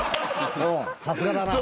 さすがだな。